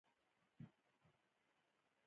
زما عزت بيخي هلته نشته